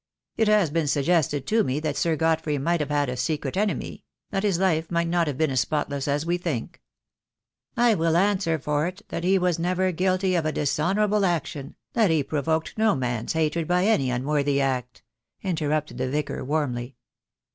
It has been suggested to me that Sir Godfrey might have had a secret enemy — that his life might not have been as spotless as we think " "I will answer for it that he was never guilty of a dishonourable action, that he provoked no man's hatred by any unworthy act," interrupted the Vicar warmly.